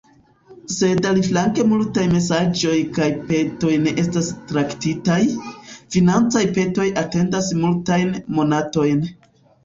Sed aliflanke multaj mesaĝoj kaj petoj ne estas traktitaj, financaj petoj atendas multajn monatojn.